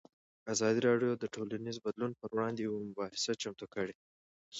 ازادي راډیو د ټولنیز بدلون پر وړاندې یوه مباحثه چمتو کړې.